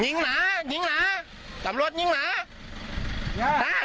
นิ้งหนานิ้งหนาตำรวจนิ้งหนา